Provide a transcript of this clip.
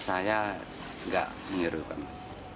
saya enggak menyerupai